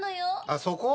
あっそこ？